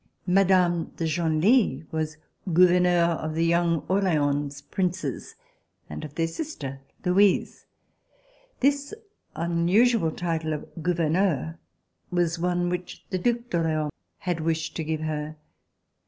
Mme. de Genlis was gou verneur of the young Orleans Princes and of their sister Louise. This unusual title of gouverneur was one which the Due d'Orleans had wished to give her.